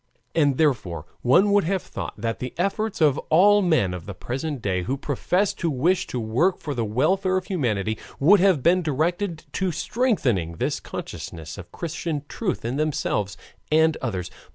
And, therefore, one would have thought that the efforts of all men of the present day who profess to wish to work for the welfare of humanity would have been directed to strengthening this consciousness of Christian truth in themselves and others.